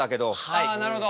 ああなるほど。